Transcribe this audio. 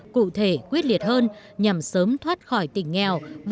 cụ thể quyết liệt hơn nhằm sớm thoát khỏi tỉnh nghèo